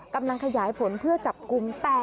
กำลังขยายผลเพื่อจับกลุ่ม